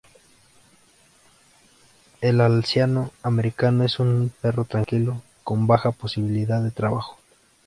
El alsaciano americano es un perro tranquilo, con baja posibilidad de trabajo.